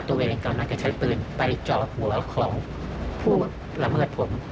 ตัวเองกำลังจะใช้ปืนไปจอหัวของผู้ระเมิดผม